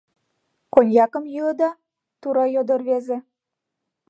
— Коньякым йӱыда? — тура йодо рвезе.